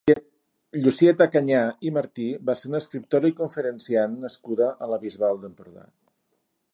Llucieta Canyà i Martí va ser una escriptora i conferenciant nascuda a la Bisbal d'Empordà.